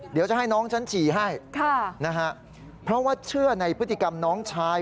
เดี๋ยวจะให้น้องฉันฉี่ให้นะฮะเพราะว่าเชื่อในพฤติกรรมน้องชาย